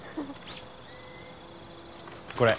これ。